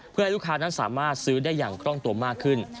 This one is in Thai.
เพื่อให้ลูกค้านั้นสามารถซื้อได้อย่างคล่องตัวมากขึ้น